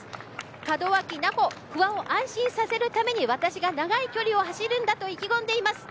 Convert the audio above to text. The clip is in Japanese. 門脇奈穂不破を安心させるために私が長い距離を走るんだと意気込んでいます。